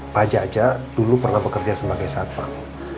pak jaja dulu pernah bekerja sebagai satpam